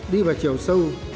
đi vào chiều sâu